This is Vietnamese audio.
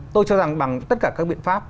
tôi cho rằng bằng tất cả các biện pháp